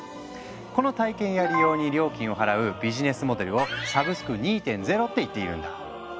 この体験や利用に料金を払うビジネスモデルを「サブスク２．０」って言っているんだ。